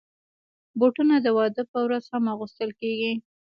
بوټونه د واده پر ورځ هم اغوستل کېږي.